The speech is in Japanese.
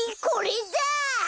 これだ！